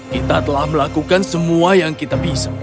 kita telah melakukan semua yang kita bisa